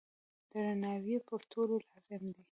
درناوی یې پر ټولو لازم دی.